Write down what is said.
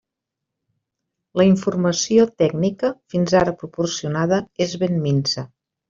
La informació tècnica fins ara proporcionada és ben minsa.